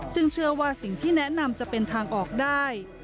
ซึ่งเชื่อว่าสิ่งที่แนะนำจะเป็นทางออกได้